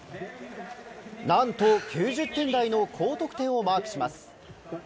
何と、９０点台の高得点をマークします。